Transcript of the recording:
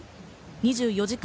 ２４時間